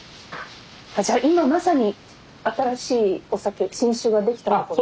じゃあ今まさに新しいお酒新酒が出来たところ？